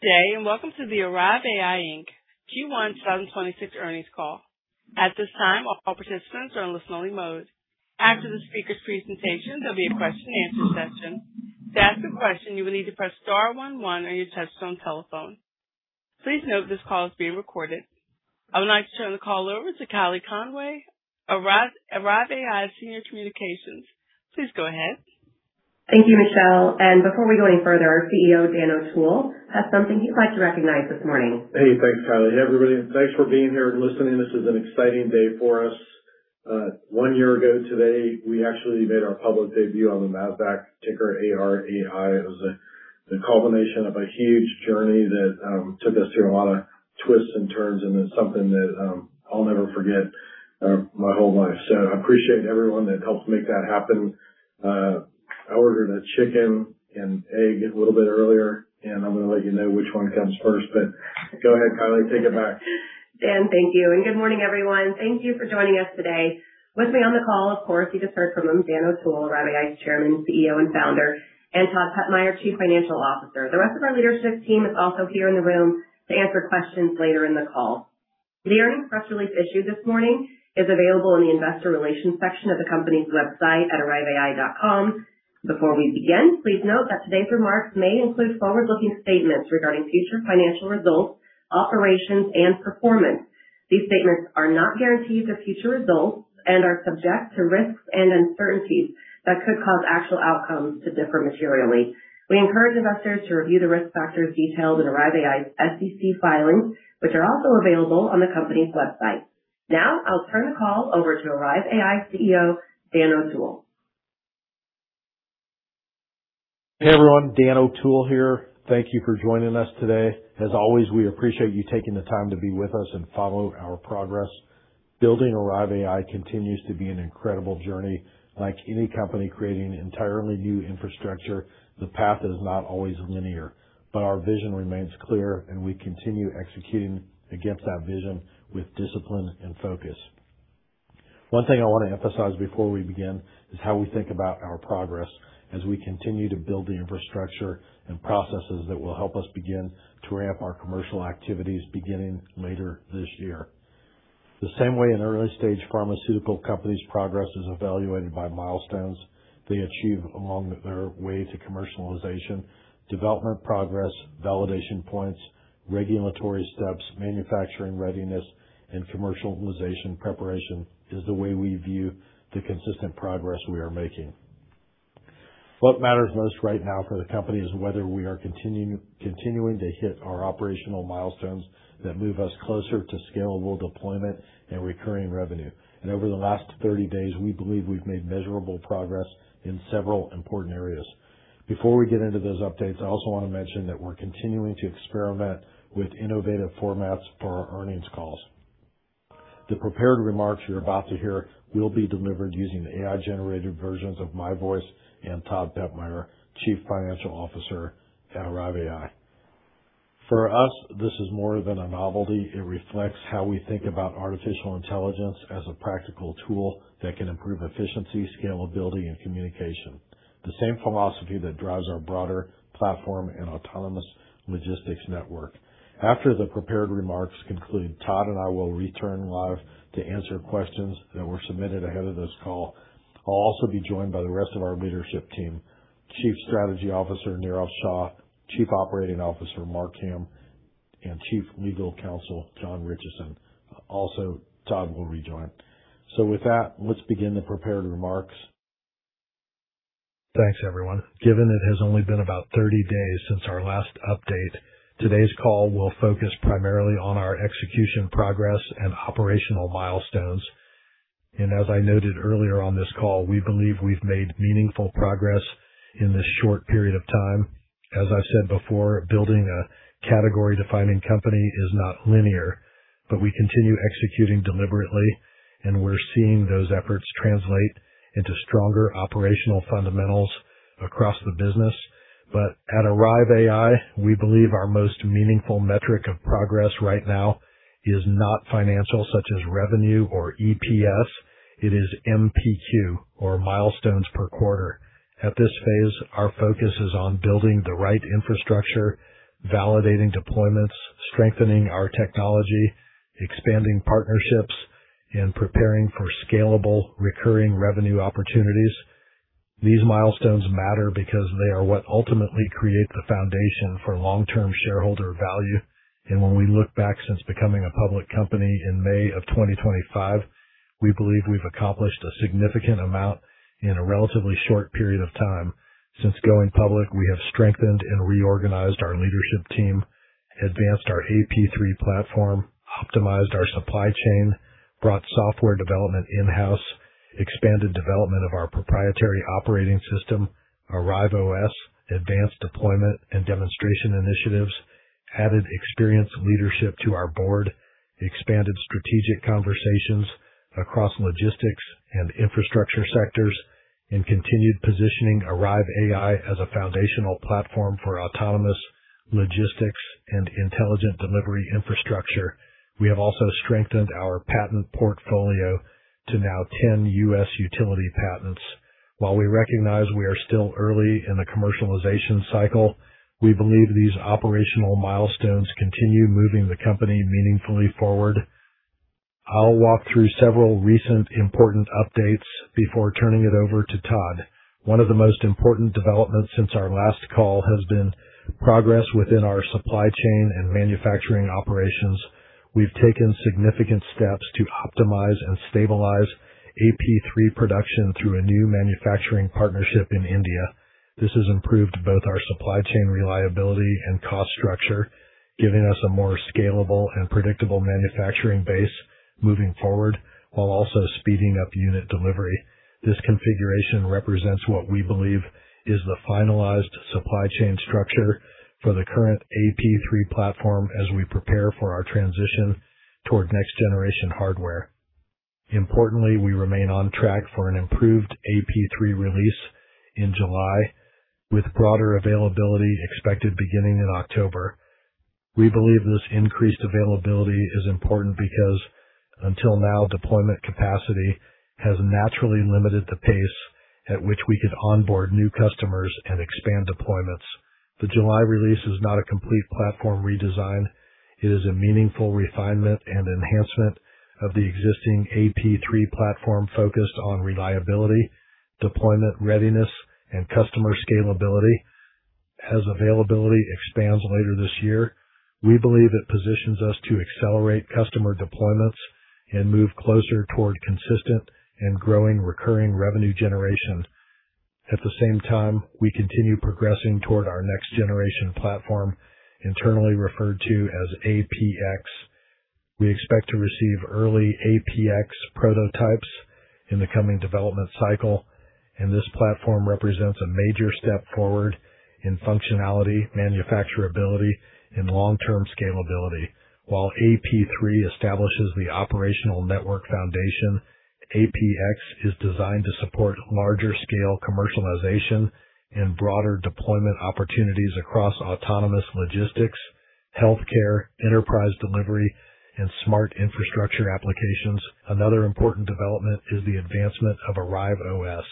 Welcome to the Arrive AI Inc Q1 2026 earnings call. At this time, all participants are in listen-only mode. After the speaker's presentation, there'll be a question and answer session. To ask a question, you will need to press star one one on your touch-tone telephone. Please note this call is being recorded. I would like to turn the call over to Kylie Conway, Arrive AI Senior Communications. Please go ahead. Thank you, Michelle. Before we go any further, our CEO, Dan O'Toole, has something he'd like to recognize this morning. Hey, thanks, Kylie. Everybody, thanks for being here and listening. This is an exciting day for us. One year ago today, we actually made our public debut on the NASDAQ ticker ARAI. It was the culmination of a huge journey that took us through a lot of twists and turns, and it's something that I'll never forget my whole life. I appreciate everyone that helped make that happen. I ordered a chicken and egg a little bit earlier, and I'm gonna let you know which one comes first, but go ahead, Kylie, take it back. Dan, thank you. Good morning, everyone. Thank you for joining us today. With me on the call, of course, you just heard from him, Dan O'Toole, Arrive AI's Chairman, CEO, and Founder, and Todd Pepmeier, Chief Financial Officer. The rest of our leadership team is also here in the room to answer questions later in the call. The earnings press release issued this morning is available in the Investor Relations section of the company's website at arriveai.com. Before we begin, please note that today's remarks may include forward-looking statements regarding future financial results, operations, and performance. These statements are not guarantees of future results and are subject to risks and uncertainties that could cause actual outcomes to differ materially. We encourage investors to review the risk factors detailed in Arrive AI's SEC filings, which are also available on the company's website. Now, I'll turn the call over to Arrive AI CEO, Dan O'Toole. Hey, everyone. Dan O'Toole here. Thank you for joining us today. As always, we appreciate you taking the time to be with us and follow our progress. Building Arrive AI continues to be an incredible journey. Like any company creating entirely new infrastructure, the path is not always linear, but our vision remains clear, and we continue executing against that vision with discipline and focus. One thing I wanna emphasize before we begin is how we think about our progress as we continue to build the infrastructure and processes that will help us begin to ramp our commercial activities beginning later this year. The same way an early-stage pharmaceutical company's progress is evaluated by milestones they achieve along their way to commercialization, development progress, validation points, regulatory steps, manufacturing readiness, and commercialization preparation is the way we view the consistent progress we are making. What matters most right now for the company is whether we are continuing to hit our operational milestones that move us closer to scalable deployment and recurring revenue. Over the last 30 days, we believe we've made measurable progress in several important areas. Before we get into those updates, I also wanna mention that we're continuing to experiment with innovative formats for our earnings calls. The prepared remarks you're about to hear will be delivered using the AI-generated versions of my voice and Todd Pepmeier, Chief Financial Officer at Arrive AI. For us, this is more than a novelty. It reflects how we think about artificial intelligence as a practical tool that can improve efficiency, scalability, and communication. The same philosophy that drives our broader platform and autonomous logistics network. After the prepared remarks conclude, Todd and I will return live to answer questions that were submitted ahead of this call. I'll also be joined by the rest of our leadership team, Chief Strategy Officer, Neerav Shah, Chief Operating Officer, Mark Hamm, and Chief Legal Counsel, John Ritchison. Also, Todd will rejoin. With that, let's begin the prepared remarks. Thanks, everyone. Given it has only been about 30 days since our last update, today's call will focus primarily on our execution progress and operational milestones. As I noted earlier on this call, we believe we've made meaningful progress in this short period of time. As I've said before, building a category-defining company is not linear, but we continue executing deliberately, and we're seeing those efforts translate into stronger operational fundamentals across the business. At Arrive AI, we believe our most meaningful metric of progress right now is not financial, such as revenue or EPS. It is MPQ or milestones per quarter. At this phase, our focus is on building the right infrastructure, validating deployments, strengthening our technology, expanding partnerships, and preparing for scalable recurring revenue opportunities. These milestones matter because they are what ultimately create the foundation for long-term shareholder value. When we look back since becoming a public company in May of 2025, we believe we've accomplished a significant amount in a relatively short period of time. Since going public, we have strengthened and reorganized our leadership team, advanced our AP3 platform, optimized our supply chain, brought software development in-house, expanded development of our proprietary operating system, Arrive OS, advanced deployment and demonstration initiatives, added experienced leadership to our board, expanded strategic conversations across logistics and infrastructure sectors, and continued positioning Arrive AI as a foundational platform for autonomous logistics and intelligent delivery infrastructure. We have also strengthened our patent portfolio to now 10 U.S. utility patents. While we recognize we are still early in the commercialization cycle, we believe these operational milestones continue moving the company meaningfully forward. I'll walk through several recent important updates before turning it over to Todd. One of the most important developments since our last call has been progress within our supply chain and manufacturing operations. We've taken significant steps to optimize and stabilize AP3 production through a new manufacturing partnership in India. This has improved both our supply chain reliability and cost structure, giving us a more scalable and predictable manufacturing base moving forward, while also speeding up unit delivery. This configuration represents what we believe is the finalized supply chain structure for the current AP3 platform as we prepare for our transition toward next-generation hardware. Importantly, we remain on track for an improved AP3 release in July, with broader availability expected beginning in October. We believe this increased availability is important because, until now, deployment capacity has naturally limited the pace at which we could onboard new customers and expand deployments. The July release is not a complete platform redesign. It is a meaningful refinement and enhancement of the existing AP3 platform focused on reliability, deployment readiness, and customer scalability. At the same time, we continue progressing toward our next-generation platform, internally referred to as APX. We expect to receive early APX prototypes in the coming development cycle, and this platform represents a major step forward in functionality, manufacturability, and long-term scalability. While AP3 establishes the operational network foundation, APX is designed to support larger scale commercialization and broader deployment opportunities across autonomous logistics, healthcare, enterprise delivery, and smart infrastructure applications. Another important development is the advancement of Arrive OS,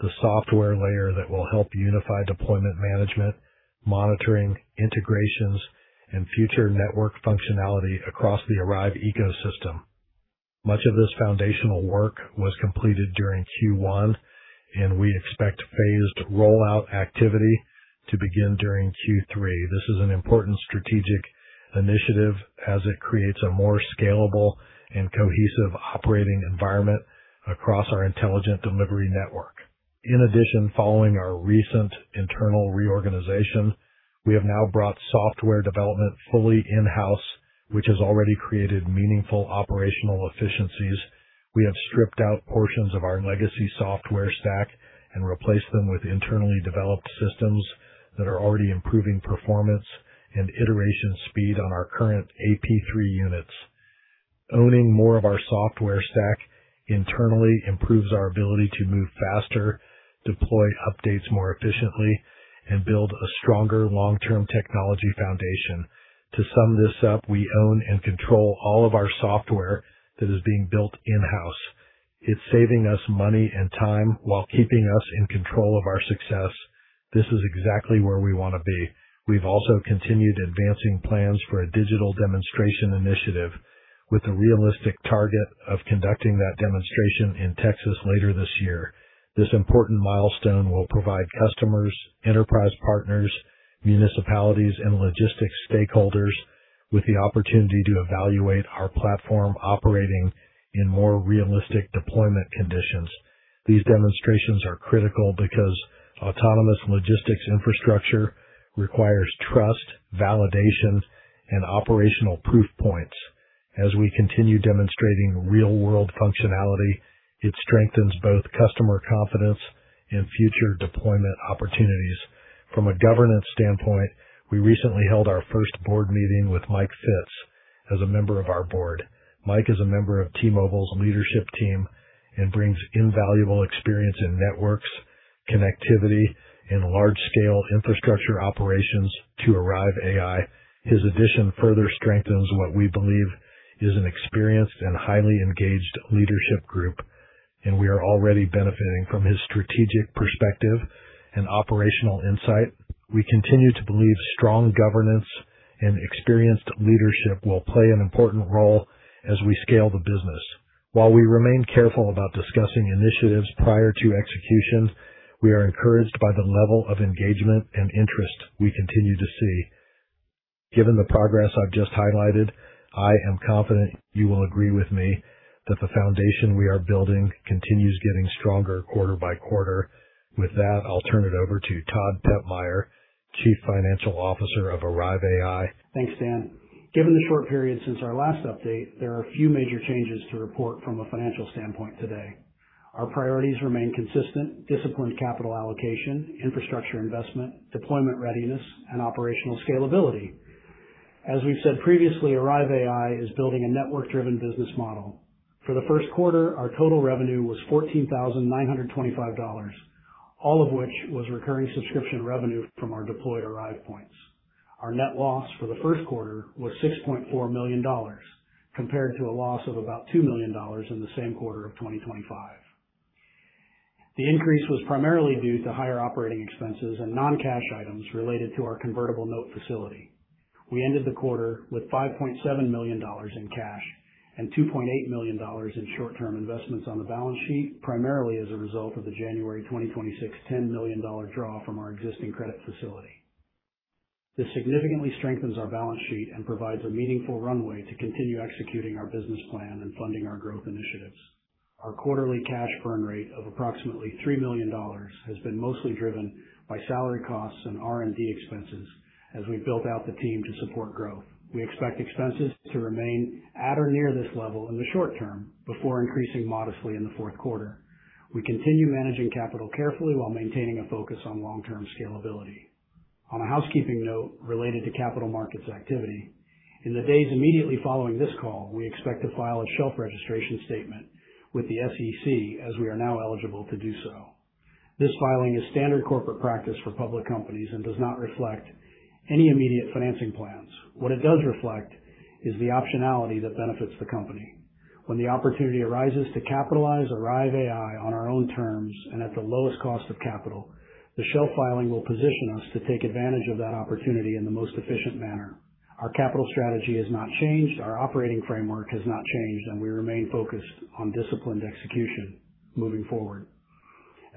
the software layer that will help unify deployment management, monitoring, integrations, and future network functionality across the Arrive ecosystem. Much of this foundational work was completed during Q1, and we expect phased rollout activity to begin during Q3. This is an important strategic initiative as it creates a more scalable and cohesive operating environment across our intelligent delivery network. In addition, following our recent internal reorganization, we have now brought software development fully in-house, which has already created meaningful operational efficiencies. We have stripped out portions of our legacy software stack and replaced them with internally developed systems that are already improving performance and iteration speed on our current AP3 units. Owning more of our software stack internally improves our ability to move faster, deploy updates more efficiently, and build a stronger long-term technology foundation. To sum this up, we own and control all of our software that is being built in-house. It's saving us money and time while keeping us in control of our success. This is exactly where we wanna be. We've also continued advancing plans for a digital demonstration initiative with a realistic target of conducting that demonstration in Texas later this year. This important milestone will provide customers, enterprise partners, municipalities, and logistics stakeholders with the opportunity to evaluate our platform operating in more realistic deployment conditions. These demonstrations are critical because autonomous logistics infrastructure requires trust, validation, and operational proof points. As we continue demonstrating real-world functionality, it strengthens both customer confidence and future deployment opportunities. From a governance standpoint, we recently held our first board meeting with Mike Fitz as a member of our board. Mike is a member of T-Mobile's leadership team and brings invaluable experience in networks, connectivity, and large-scale infrastructure operations to Arrive AI. His addition further strengthens what we believe is an experienced and highly engaged leadership group, and we are already benefiting from his strategic perspective and operational insight. We continue to believe strong governance and experienced leadership will play an important role as we scale the business. While we remain careful about discussing initiatives prior to execution, we are encouraged by the level of engagement and interest we continue to see. Given the progress I've just highlighted, I am confident you will agree with me that the foundation we are building continues getting stronger quarter by quarter. With that, I'll turn it over to Todd Pepmeier, Chief Financial Officer of Arrive AI. Thanks, Dan. Given the short period since our last update, there are a few major changes to report from a financial standpoint today. Our priorities remain consistent, disciplined capital allocation, infrastructure investment, deployment readiness, and operational scalability. As we've said previously, Arrive AI is building a network-driven business model. For the first quarter, our total revenue was $14,925. All of which was recurring subscription revenue from our deployed Arrive Points. Our net loss for the first quarter was $6.4 million, compared to a loss of about $2 million in the same quarter of 2025. The increase was primarily due to higher operating expenses and non-cash items related to our convertible note facility. We ended the quarter with $5.7 million in cash and $2.8 million in short-term investments on the balance sheet, primarily as a result of the January 2026 $10 million draw from our existing credit facility. This significantly strengthens our balance sheet and provides a meaningful runway to continue executing our business plan and funding our growth initiatives. Our quarterly cash burn rate of approximately $3 million has been mostly driven by salary costs and R&D expenses as we built out the team to support growth. We expect expenses to remain at or near this level in the short term before increasing modestly in the fourth quarter. We continue managing capital carefully while maintaining a focus on long-term scalability. On a housekeeping note related to capital markets activity, in the days immediately following this call, we expect to file a shelf registration statement with the SEC as we are now eligible to do so. This filing is standard corporate practice for public companies and does not reflect any immediate financing plans. What it does reflect is the optionality that benefits the company. When the opportunity arises to capitalize Arrive AI on our own terms and at the lowest cost of capital, the shelf filing will position us to take advantage of that opportunity in the most efficient manner. Our capital strategy has not changed, our operating framework has not changed, and we remain focused on disciplined execution moving forward.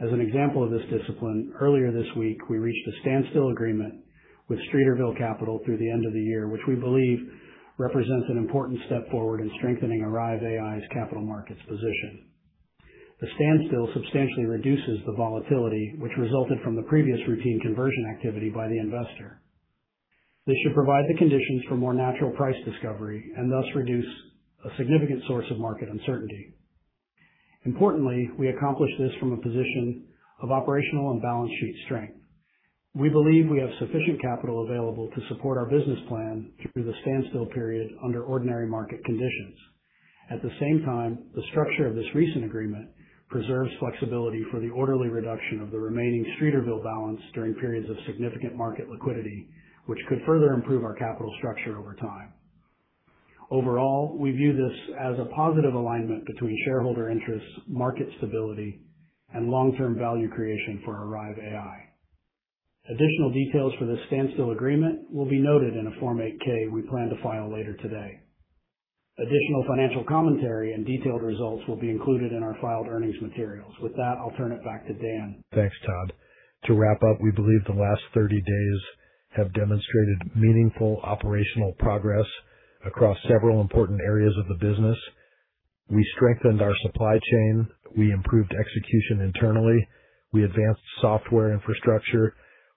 As an example of this discipline, earlier this week, we reached a standstill agreement with Streeterville Capital through the end of the year, which we believe represents an important step forward in strengthening Arrive AI's capital markets position. The standstill substantially reduces the volatility which resulted from the previous routine conversion activity by the investor. This should provide the conditions for more natural price discovery and thus reduce a significant source of market uncertainty. Importantly, we accomplish this from a position of operational and balance sheet strength. We believe we have sufficient capital available to support our business plan through the standstill period under ordinary market conditions. At the same time, the structure of this recent agreement preserves flexibility for the orderly reduction of the remaining Streeterville balance during periods of significant market liquidity, which could further improve our capital structure over time. Overall, we view this as a positive alignment between shareholder interests, market stability, and long-term value creation for Arrive AI. Additional details for this standstill agreement will be noted in a Form 8-K we plan to file later today. Additional financial commentary and detailed results will be included in our filed earnings materials. With that, I'll turn it back to Dan. Thanks, Todd. To wrap up, we believe the last 30 days have demonstrated meaningful operational progress across several important areas of the business. We strengthened our supply chain, we improved execution internally, we advanced software infrastructure,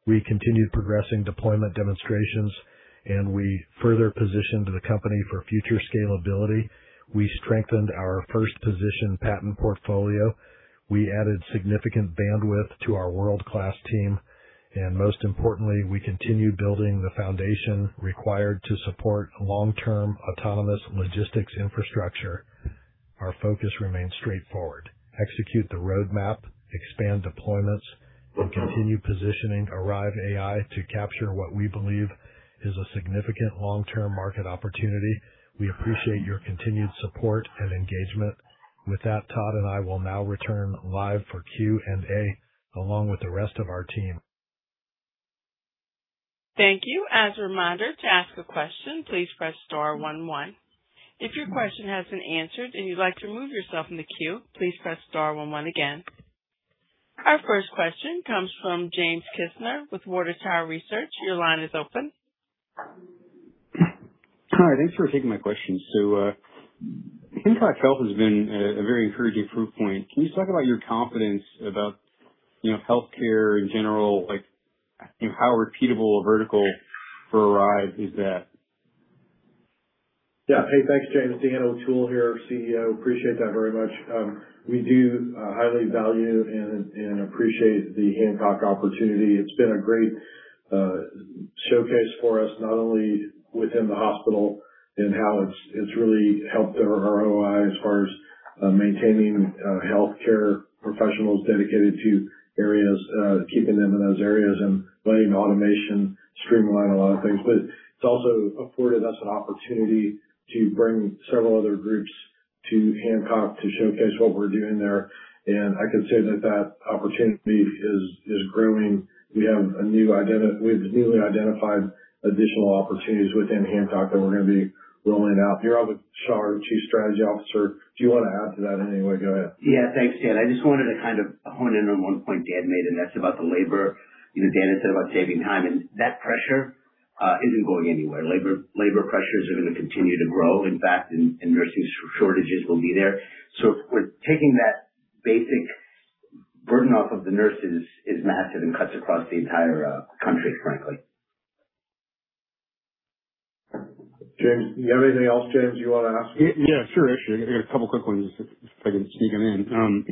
we continued progressing deployment demonstrations, and we further positioned the company for future scalability. We strengthened our first position patent portfolio. We added significant bandwidth to our world-class team. Most importantly, we continued building the foundation required to support long-term autonomous logistics infrastructure. Our focus remains straightforward. Execute the roadmap, expand deployments, and continue positioning Arrive AI to capture what we believe is a significant long-term market opportunity. We appreciate your continued support and engagement. With that, Todd and I will now return live for Q&A along with the rest of our team. Thank you. As a reminder to ask a question, please press star one one. If your question has been answered and you'd like to remove yourself from the queue, please press star one one again. Our first question comes from James Kisner with Water Tower Research. Your line is open. Hi, thanks for taking my question. Hancock Health has been a very encouraging proof point. Can you talk about your confidence about, you know, healthcare in general? Like, how repeatable a vertical for Arrive AI is that? Yeah. Hey, thanks, James. Dan O'Toole here, CEO. Appreciate that very much. We do highly value and appreciate the Hancock opportunity. It's been a great showcase for us, not only within the hospital and how it's really helped our ROI as far as maintaining healthcare professionals dedicated to areas, keeping them in those areas and letting automation streamline a lot of things. It's also afforded us an opportunity to bring several other groups to Hancock to showcase what we're doing there. I can say that that opportunity is growing. We've newly identified additional opportunities within Hancock that we're gonna be rolling out. Neerav Shah, our Chief Strategy Officer, do you wanna add to that in any way? Go ahead. Yeah. Thanks, Dan. I just wanted to kind of hone in on one point Dan made, and that's about the labor. You know, Dan had said about saving time, and that pressure isn't going anywhere. Labor pressures are gonna continue to grow. In fact, nursing shortages will be there. If we're taking that basic burden off of the nurses is massive and cuts across the entire country, frankly. James, you have anything else, James, you wanna ask? Yeah, sure. A couple quick ones if I can sneak them in.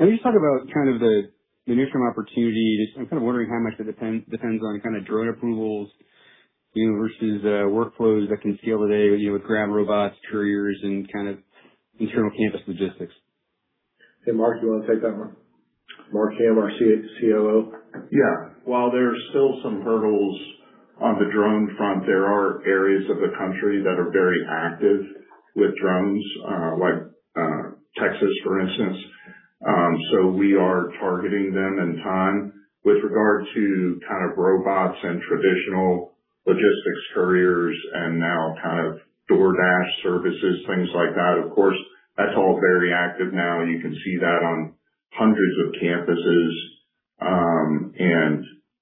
As you talk about kind of the near-term opportunity, just I'm kind of wondering how much it depends on kind of drone approvals, you know, versus workflows that can see all the day, you know, with ground robots, couriers, and kind of internal campus logistics. Hey, Mark, do you wanna take that one? Mark Hamm, our CEO. Yeah. While there are still some hurdles on the drone front, there are areas of the country that are very active with drones, like Texas, for instance. We are targeting them in time. With regard to kind of robots and traditional logistics couriers and now kind of DoorDash services, things like that, of course, that's all very active now, and you can see that on hundreds of campuses.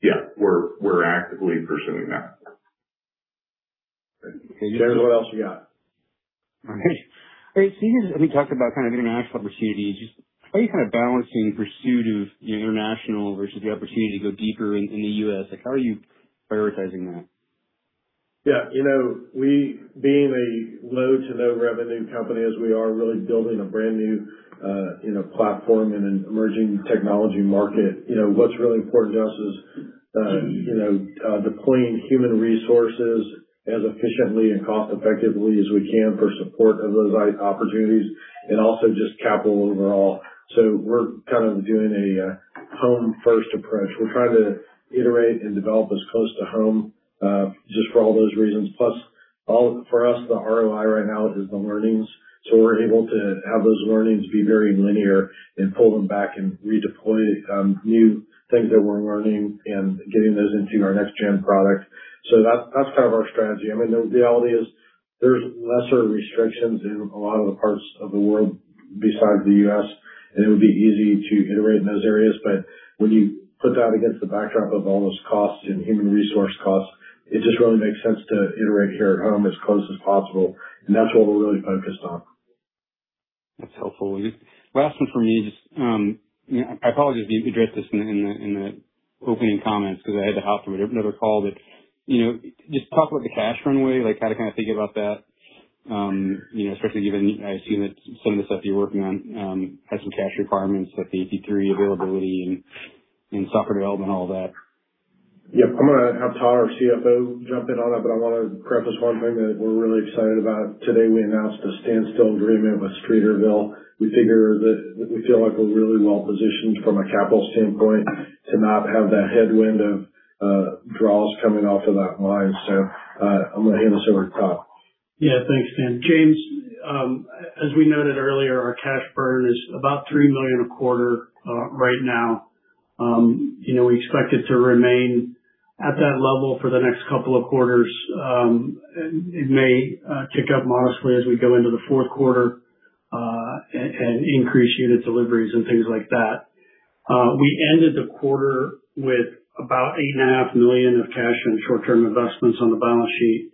Yeah, we're actively pursuing that. Okay. James, what else you got? All right. You guys, I mean, talked about kind of international opportunities. Just how are you kind of balancing pursuit of international versus the opportunity to go deeper in the U.S.? Like, how are you prioritizing that? Yeah. You know, we being a low-to-no-revenue company as we are really building a brand new, you know, platform in an emerging technology market. You know, what's really important to us is, you know, deploying human resources as efficiently and cost effectively as we can for support of those opportunities and also just capital overall. We're kind of doing a home first approach. We're trying to iterate and develop as close to home just for all those reasons. For us, the ROI right now is the learnings. We're able to have those learnings be very linear and pull them back and redeploy new things that we're learning and getting those into our next gen products. That's kind of our strategy. I mean, the reality is there's lesser restrictions in a lot of the parts of the world besides the U.S., and it would be easy to iterate in those areas. When you put that against the backdrop of all those costs and human resource costs, it just really makes sense to iterate here at home as close as possible, and that's what we're really focused on. That's helpful. Last one for me. Just, you know, I apologize if you addressed this in the opening comments because I had to hop from another call. You know, just talk about the cash runway, like how to kind of think about that. You know, especially given I assume that some of the stuff you're working on, has some cash requirements, like the AP3 availability and software development, all that. Yep. I'm gonna have Todd, our CFO, jump in on it, but I wanna preface one thing that we're really excited about. Today, we announced a standstill agreement with Streeterville. We figure that we feel like we're really well positioned from a capital standpoint to not have that headwind of draws coming off of that line. I'm gonna hand this over to Todd. Yeah. Thanks, Dan. James, as we noted earlier, our cash burn is about $3 million a quarter right now. You know, we expect it to remain at that level for the next couple of quarters. It may kick up modestly as we go into the fourth quarter and increase unit deliveries and things like that. We ended the quarter with about $8.5 million of cash and short-term investments on the balance sheet,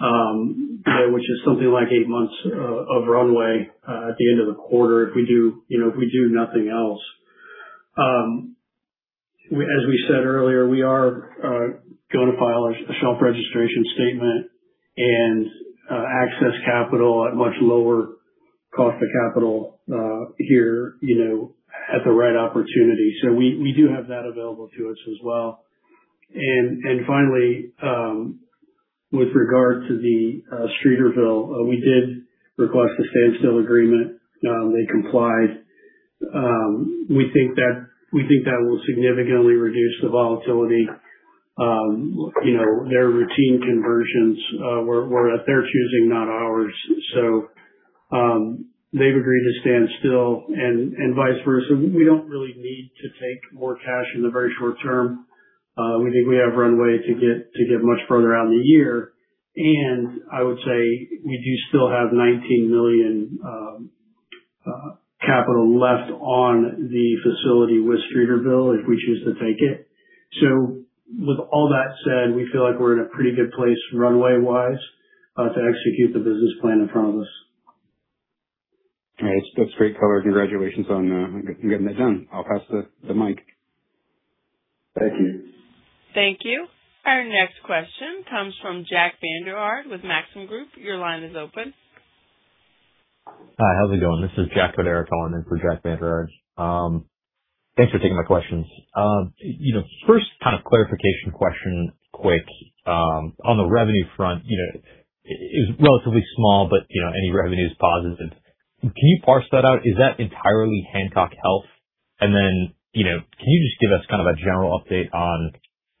which is something like eight months of runway at the end of the quarter if we do, you know, if we do nothing else. As we said earlier, we are going to file a shelf registration statement and access capital at much lower cost of capital here, you know, at the right opportunity. We do have that available to us as well. Finally, with regard to Streeterville, we did request a standstill agreement. They complied. We think that will significantly reduce the volatility, you know, their routine conversions were at their choosing, not ours. They've agreed to stand still and vice versa. We don't really need to take more cash in the very short term. We think we have runway to get much further out in the year. I would say we do still have $19 million capital left on the facility with Streeterville if we choose to take it. With all that said, we feel like we're in a pretty good place runway-wise to execute the business plan in front of us. All right. That's great color. Congratulations on getting that done. I'll pass the mic. Thank you. Thank you. Our next question comes from Jack Vander Aarde with Maxim Group. Your line is open. Hi. How's it going? This is Jack Roderick calling in for Jack Vander Aarde. Thanks for taking my questions. You know, first kind of clarification question quick. On the revenue front, you know, it was relatively small, but, you know, any revenue is positive. Can you parse that out? Is that entirely Hancock Health?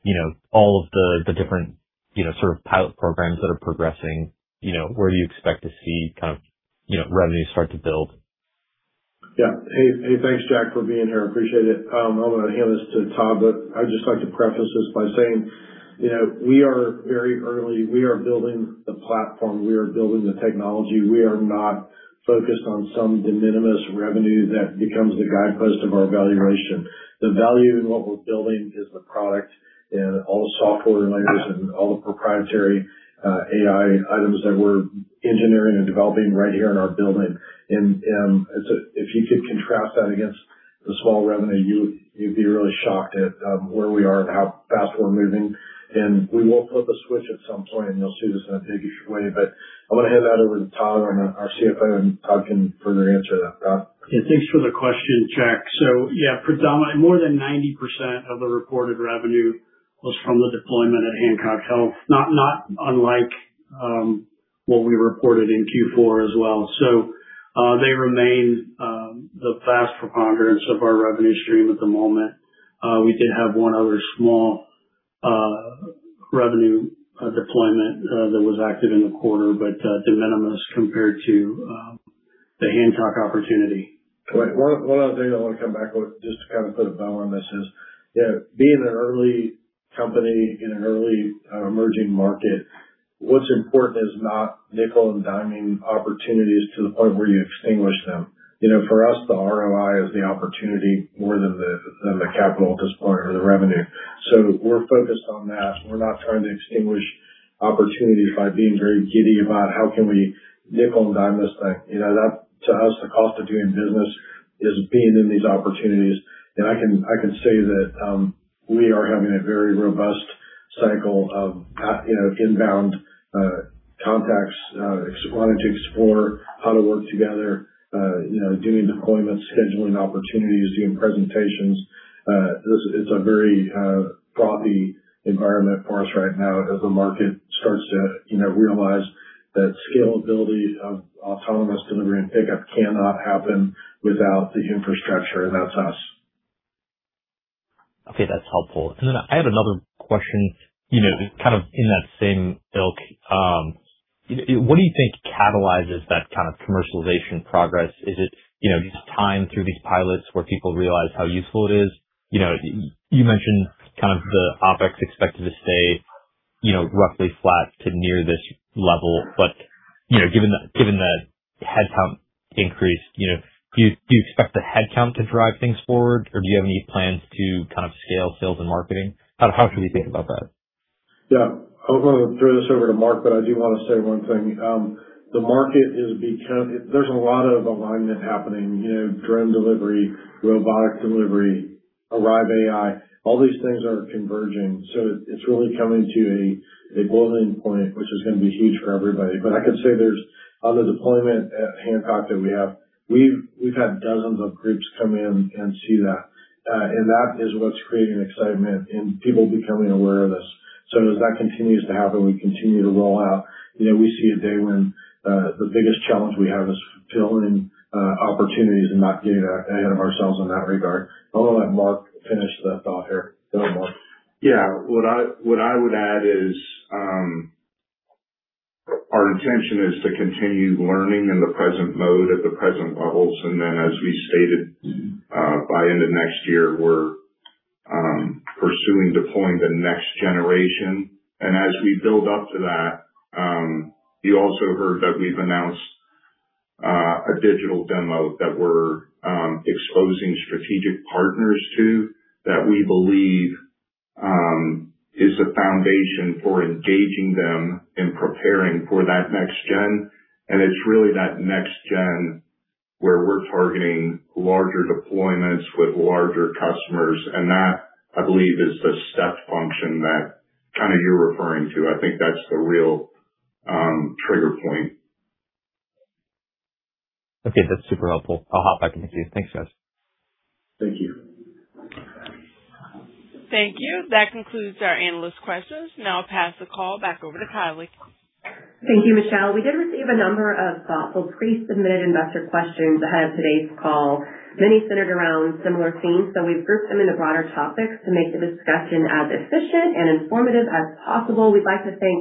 You know, can you just give us kind of a general update on, you know, all of the different, you know, sort of pilot programs that are progressing, you know, where you expect to see kind of, you know, revenue start to build? Yeah. Hey, hey, thanks, Jack, for being here. Appreciate it. I'm going to hand this to Todd, but I'd just like to preface this by saying, you know, we are very early. We are building the platform. We are building the technology. We are not focused on some de minimis revenue that becomes the guidepost of our valuation. The value in what we're building is the product and all the software layers and all the proprietary AI items that we're engineering and developing right here in our building. If you could contrast that against the small revenue, you'd be really shocked at where we are and how fast we're moving. We will flip a switch at some point, and you'll see this in a big way. I'm going to hand that over to Todd, our CFO, and Todd can further answer that. Todd? Yeah, thanks for the question, Jack. Yeah, more than 90% of the reported revenue was from the deployment at Hancock Health, not unlike what we reported in Q4 as well. They remain the vast preponderance of our revenue stream at the moment. We did have one other small revenue deployment that was active in the quarter, but de minimis compared to the Hancock opportunity. One other thing I want to come back with just to kind of put a bow on this is, you know, being an early company in an early emerging market, what's important is not nickel-and-diming opportunities to the point where you extinguish them. You know, for us, the ROI is the opportunity more than the capital at this point or the revenue. We're focused on that. We're not trying to extinguish opportunities by being very giddy about how can we nickel-and-dim this thing. You know, that to us, the cost of doing business is being in these opportunities. I can say that we are having a very robust cycle of, you know, inbound contacts, wanting to explore how to work together, you know, doing deployments, scheduling opportunities, doing presentations. This is a very frothy environment for us right now as the market starts to, you know, realize that scalability of autonomous delivery and pickup cannot happen without the infrastructure, and that's us. Okay, that's helpful. I had another question, you know, kind of in that same ilk. What do you think catalyzes that kind of commercialization progress? Is it, you know, just time through these pilots where people realize how useful it is? You know, you mentioned kind of the OpEx expected to stay, you know, roughly flat to near this level. You know, given the headcount increase, you know, do you expect the headcount to drive things forward, or do you have any plans to kind of scale sales and marketing? How should we think about that? Yeah. I'm gonna throw this over to Mark, I do wanna say one thing. There's a lot of alignment happening. You know, drone delivery, robotic delivery, Arrive AI, all these things are converging. It's really coming to a boiling point, which is gonna be huge for everybody. I can say there's, on the deployment at Hancock that we have, we've had dozens of groups come in and see that. That is what's creating excitement and people becoming aware of us. As that continues to happen, we continue to roll out. You know, we see a day when the biggest challenge we have is filling opportunities and not getting ahead of ourselves in that regard. I'm gonna let Mark finish that thought here. Go ahead, Mark. Yeah. What I would add is, our intention is to continue learning in the present mode at the present levels. Then as we stated by end of next year, we're pursuing deploying the next generation. As we build up to that, you also heard that we've announced a digital demo that we're exposing strategic partners to, that we believe is the foundation for engaging them in preparing for that next gen. It's really that next gen where we're targeting larger deployments with larger customers. That, I believe, is the step function that kind of you're referring to. I think that's the real trigger point. Okay, that's super helpful. I'll hop back in the queue. Thanks, guys. Thank you. Thank you. That concludes our analyst questions. Now I'll pass the call back over to Kylie. Thank you, Michelle. We did receive a number of thoughtful pre-submitted investor questions ahead of today's call, many centered around similar themes, so we've grouped them into broader topics to make the discussion as efficient and informative as possible. We'd like to thank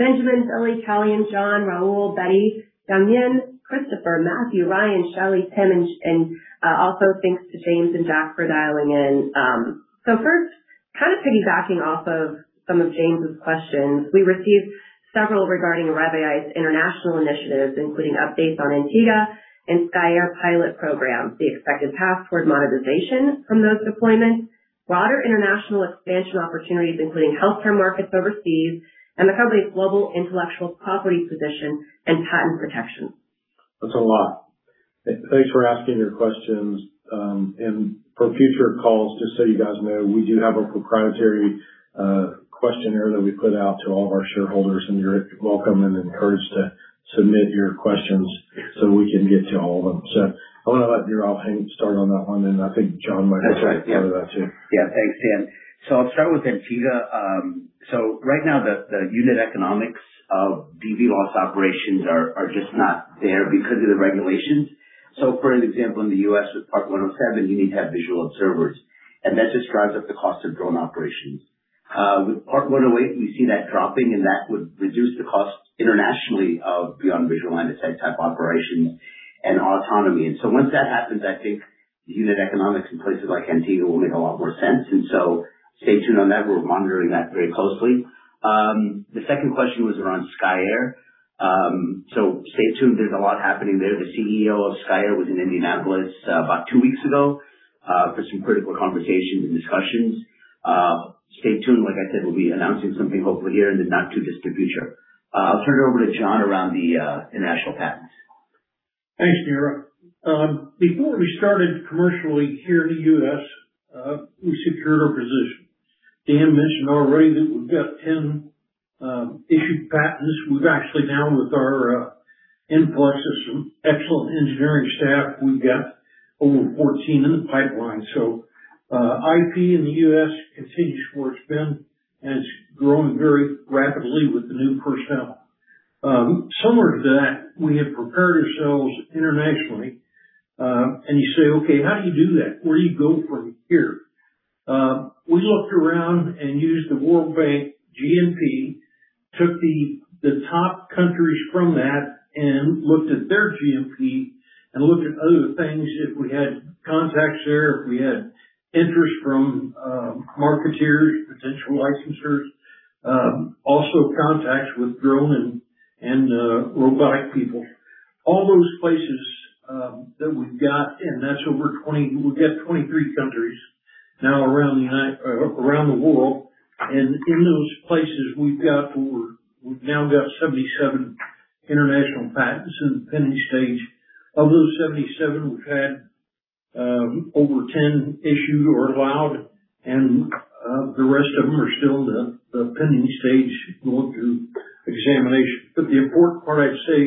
Benjamin, Billy, Kelly, John, Raul, Betty, Sung Yin, Christopher, Matthew, Ryan, Shelly, Tim, and also thanks to James and Jack for dialing in. First, kind of piggybacking off of some of James's questions, we received several regarding Arrive AI's international initiatives, including updates on Antigua and Skye Air pilot programs, the expected path toward monetization from those deployments, broader international expansion opportunities, including healthcare markets overseas, and the company's global intellectual property position and patent protection. That's a lot. Thanks for asking your questions. For future calls, just so you guys know, we do have a proprietary questionnaire that we put out to all of our shareholders, and you're welcome and encouraged to submit your questions so we can get to all of them. I'm gonna let Neerav start on that one, and I think John- That's right.... want to add to that too. Thanks, Dan. I'll start with Antigua. Right now, the unit economics of BVLOS operations are just not there because of the regulations. For an example, in the U.S. with Part 107, you need to have visual observers, that just drives up the cost of drone operations. With Part 108, we see that dropping, that would reduce the cost internationally of beyond visual line of sight type operations and autonomy. Once that happens, I think unit economics in places like Antigua will make a lot more sense. Stay tuned on that. We're monitoring that very closely. The second question was around Skye Air. Stay tuned. There's a lot happening there. The CEO of Skye Air was in Indianapolis, about two weeks ago, for some critical conversations and discussions. Stay tuned. Like I said, we'll be announcing something hopefully here in the not-too-distant future. I'll turn it over to John around the international patents. Thanks, Neerav. Before we started commercially here in the U.S., we secured our position. Dan mentioned already that we've got 10 issued patents. We've actually now with our M-Plus system, excellent engineering staff, we've got over 14 in the pipeline. IP in the U.S. continues where it's been, and it's growing very rapidly with the new personnel. Similar to that, we have prepared ourselves internationally. You say, okay, how do you do that? Where do you go from here? We looked around and used the World Bank GNP, took the top countries from that and looked at their GNP and looked at other things. If we had contacts there, if we had interest from marketeers, potential licensors, also contacts with drone and robotic people. All those places that we've got, and that's over we've got 23 countries now around the world. In those places we've now got 77 international patents in the pending stage. Of those 77, we've had over 10 issued or allowed, and the rest of them are still in the pending stage going through examination. The important part, I'd say,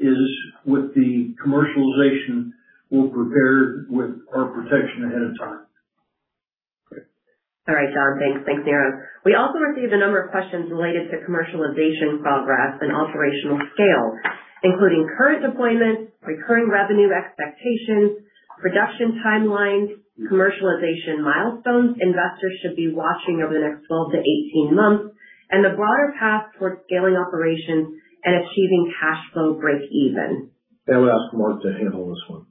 is with the commercialization, we're prepared with our protection ahead of time. All right, John. Thanks. Thanks, Neerav. We also received a number of questions related to commercialization progress and operational scale, including current deployments, recurring revenue expectations, production timelines, commercialization milestones investors should be watching over the next 12-18 months, and the broader path towards scaling operations and achieving cash flow breakeven. I would ask Mark to handle this one.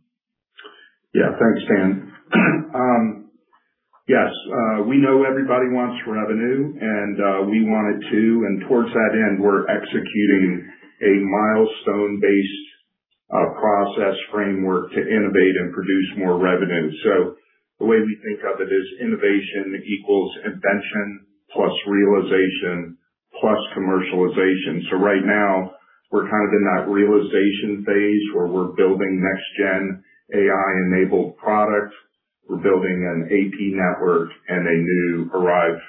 Yeah. Thanks, Dan. Yes. We know everybody wants revenue, and we want it, too. Towards that end, we're executing a milestone-based process framework to innovate and produce more revenue. The way we think of it is innovation equals invention plus realization plus commercialization. Right now we're kind of in that realization phase where we're building next-gen AI-enabled products. We're building an AP network and a new Arrive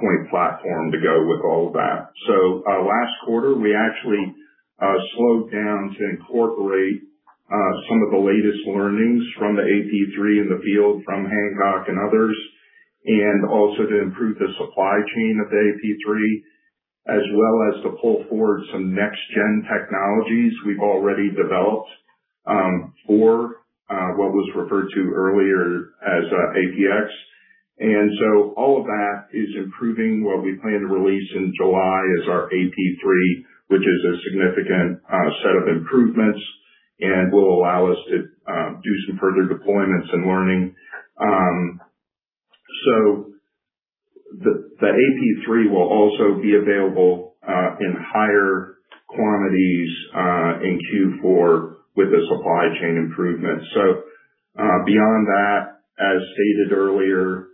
Point platform to go with all of that. Last quarter, we actually slowed down to incorporate some of the latest learnings from the AP3 in the field, from Hancock and others, and also to improve the supply chain of the AP3, as well as to pull forward some next-gen technologies we've already developed for what was referred to earlier as APX. All of that is improving what we plan to release in July as our AP3, which is a significant set of improvements and will allow us to do some further deployments and learning. The AP3 will also be available in higher quantities in Q4 with the supply chain improvements. Beyond that, as stated earlier,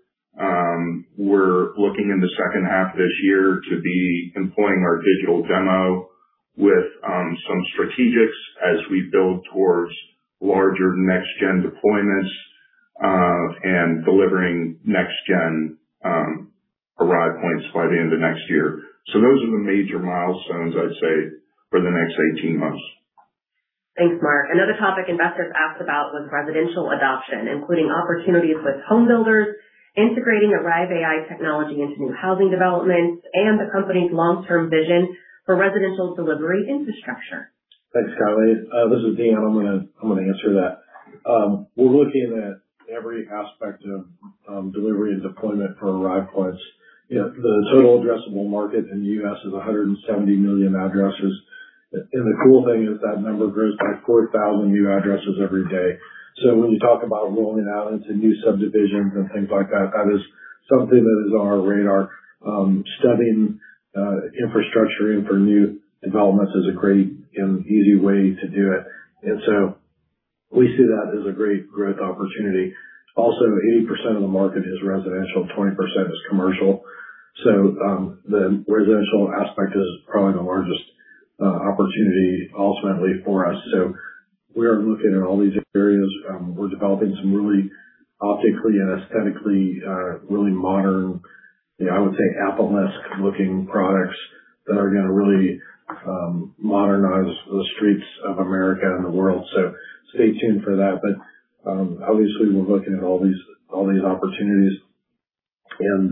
we're looking in the second half of this year to be employing our digital demo with some strategics as we build towards larger next-gen deployments and delivering next-gen Arrive Points by the end of next year. Those are the major milestones I'd say for the next 18 months. Thanks, Mark. Another topic investors asked about was residential adoption, including opportunities with home builders, integrating Arrive AI technology into new housing developments, and the company's long-term vision for residential delivery infrastructure. Thanks, Kylie. This is Dan. I'm gonna answer that. We're looking at every aspect of delivery and deployment for Arrive Points. You know, the total addressable market in the U.S. is 170 million addresses. The cool thing is that number grows by 4,000 new addresses every day. When you talk about rolling out into new subdivisions and things like that is something that is on our radar. Studying infrastructure for new developments is a great and easy way to do it. We see that as a great growth opportunity. Also, 80% of the market is residential, 20% is commercial. The residential aspect is probably the largest opportunity ultimately for us. We are looking at all these areas. We're developing some really optically and aesthetically, really modern, you know, I would say Apple-esque looking products that are gonna really modernize the streets of America and the world. Stay tuned for that. Obviously we're looking at all these opportunities and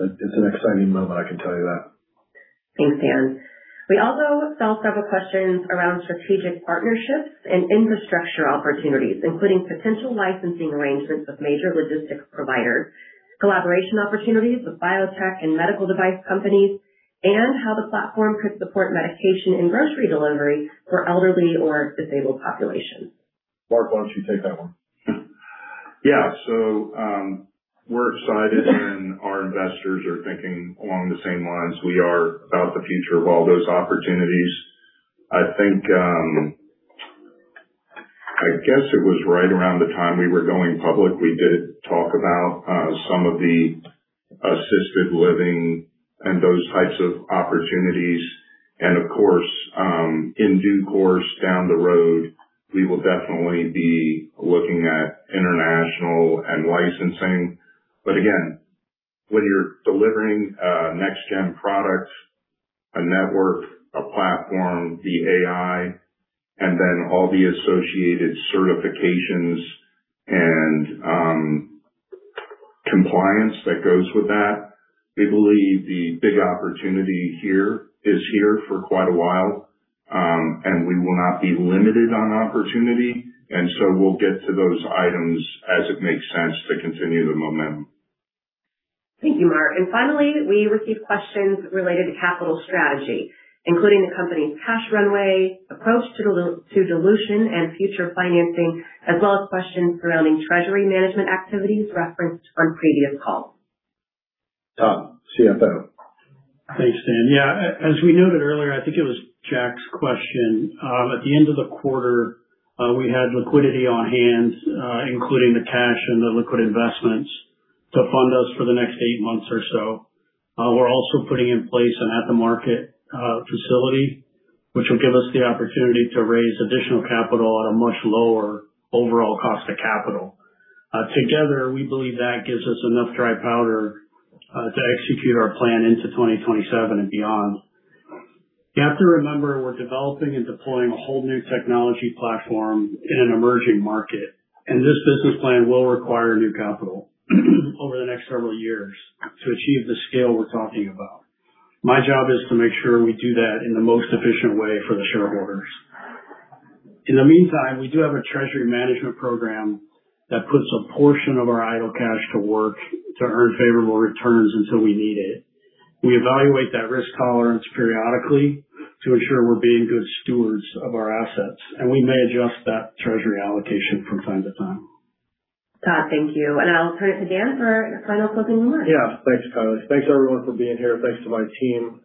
it's an exciting moment, I can tell you that. Thanks, Dan. We also saw several questions around strategic partnerships and infrastructure opportunities, including potential licensing arrangements with major logistics providers, collaboration opportunities with biotech and medical device companies, and how the platform could support medication and grocery delivery for elderly or disabled populations. Mark, why don't you take that one? Yeah. We're excited and our investors are thinking along the same lines we are about the future of all those opportunities. I think, I guess it was right around the time we were going public, we did talk about some of the assisted living and those types of opportunities. Of course, in due course down the road, we will definitely be looking at international and licensing. Again, when you're delivering next-gen products, a network, a platform, the AI, and then all the associated certifications and compliance that goes with that. We believe the big opportunity here is here for quite a while, and we will not be limited on opportunity, and so we'll get to those items as it makes sense to continue the momentum. Thank you, Mark. Finally, we received questions related to capital strategy, including the company's cash runway, approach to dilution, and future financing, as well as questions surrounding treasury management activities referenced on previous calls. Todd, CFO. Thanks, Dan. As we noted earlier, I think it was Jack's question, at the end of the quarter, we had liquidity on hand, including the cash and the liquid investments to fund us for the next eight months or so. We're also putting in place an at-the-market facility, which will give us the opportunity to raise additional capital at a much lower overall cost of capital. Together, we believe that gives us enough dry powder to execute our plan into 2027 and beyond. You have to remember, we're developing and deploying a whole new technology platform in an emerging market, and this business plan will require new capital over the next several years to achieve the scale we're talking about. My job is to make sure we do that in the most efficient way for the shareholders. In the meantime, we do have a treasury management program that puts a portion of our idle cash to work to earn favorable returns until we need it. We evaluate that risk tolerance periodically to ensure we're being good stewards of our assets, and we may adjust that treasury allocation from time to time. Todd, thank you. I'll turn it to Dan for final closing remarks. Yeah. Thanks, Kylie. Thanks everyone for being here. Thanks to my team,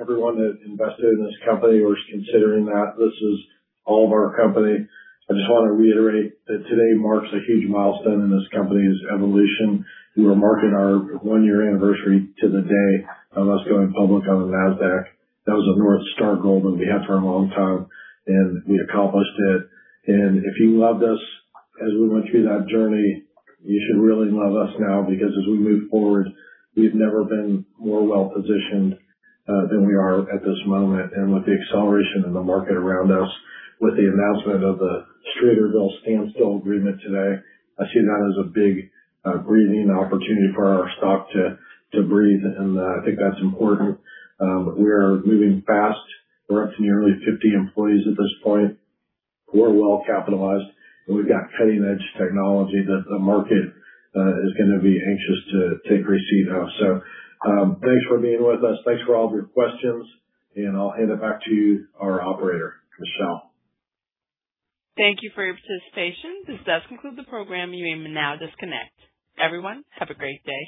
everyone that invested in this company or is considering that. This is all of our company. I just want to reiterate that today marks a huge milestone in this company's evolution. We are marking our one-year anniversary to the day of us going public on the NASDAQ. That was a North Star goal that we had for a long time, we accomplished it. If you loved us as we went through that journey, you should really love us now because as we move forward, we've never been more well-positioned than we are at this moment. With the acceleration of the market around us, with the announcement of the Streeterville standstill agreement today, I see that as a big breathing opportunity for our stock to breathe. I think that's important. We are moving fast. We're up to nearly 50 employees at this point. We're well-capitalized, and we've got cutting-edge technology that the market is gonna be anxious to take receipt of. Thanks for being with us. Thanks for all of your questions, and I'll hand it back to our operator, Michelle. Thank you for your participation. This does conclude the program. You may now disconnect. Everyone, have a great day.